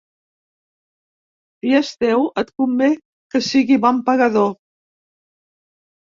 Si és teu et convé que sigui bon pagador.